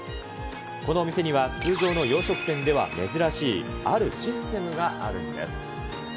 このお店には通常の洋食店では珍しいあるシステムがあるんです。